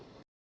sampai hari ini